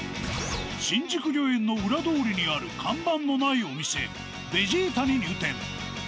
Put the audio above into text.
新宿御苑の裏通りにある看板のないお店ベジィタに入店